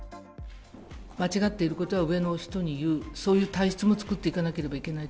間違っていることは上の人に言う、そういう体質も作っていかなければいけない。